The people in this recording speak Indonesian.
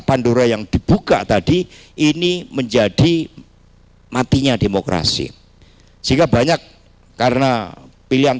pandora yang dibuka tadi ini menjadi matinya demokrasi sehingga banyak karena pilihan